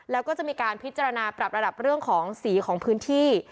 แล้วก็จะมีการพิจารณาปรับระดับเรื่องของสีของพื้นที่